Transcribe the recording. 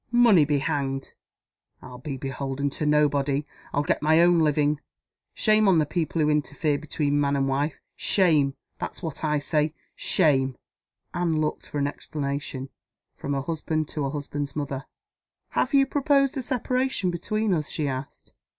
Money be hanged! I'll be beholden to nobody. I'll get my own living. Shame on the people who interfere between man and wife! Shame! that's what I say shame!" Anne looked, for an explanation, from her husband to her husband's mother. "Have you proposed a separation between us?" she asked.